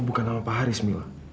bukan nama pak haris mila